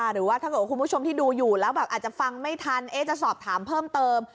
หรือว่าถ้าเกิดว่าคุณผู้ชมที่ดูอยู่แล้วแบบอาจจะฟังไม่ทันจะสอบถามเพิ่มเติม